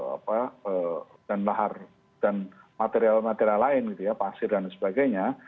apa dan lahar dan material material lain gitu ya pasir dan sebagainya